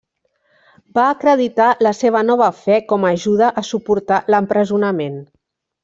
Va acreditar la seva nova fe com ajuda a suportar l'empresonament.